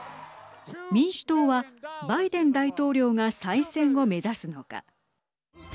民主党はバイデン大統領が再選を目指すのか。